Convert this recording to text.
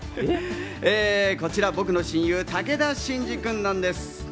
こちら僕の親友・武田真治君なんです。